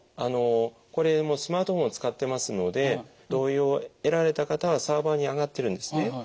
あのこれもうスマートフォン使ってますので同意を得られた方はサーバーにあがってるんですね。